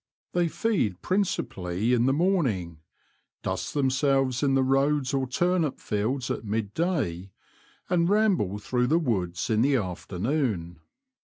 They feed principally in the morning ; dust themselves in the roads or turnip fields at mid day, and ramble through the woods in the afternoon.